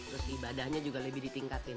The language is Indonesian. terus ibadahnya juga lebih ditingkatin